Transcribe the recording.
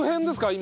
今。